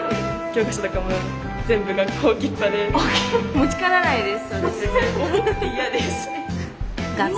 持ち帰らないです私たち。